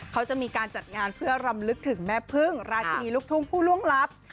เขาจะมีการจัดงานเพื่อรำลึกถึงแม่พึ่งราชินีลูกทุ่งผู้ล่วงลับ